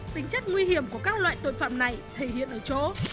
tính chất nguy hiểm của các loại tội phạm này thể hiện ở chỗ